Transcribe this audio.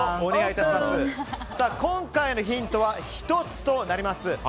今回のヒントは１つとなります。